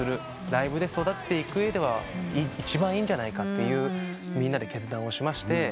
ライブで育っていく上では一番いいんじゃないかというみんなで決断をしまして。